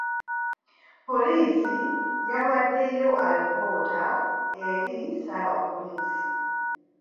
Poliisi yawaddeyo alipoota eri ssaabapoliisi.